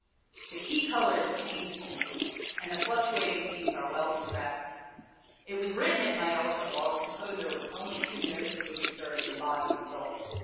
The key color is changeful, and the fluctuating themes are well contrasted. It was written at Majorca while the composer was only too noticeably disturbed in body and soul.